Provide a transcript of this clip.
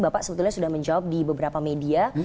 bapak sebetulnya sudah menjawab di beberapa media